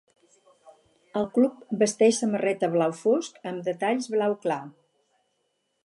El club vesteix samarreta blau fosc amb detalls blau clar.